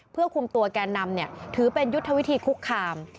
เพื่อคุมตัวแกนนำถือเป็นยุทธวิธีคุกคาม